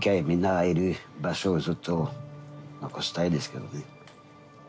みんながいる場所ずっと残したいですけどね。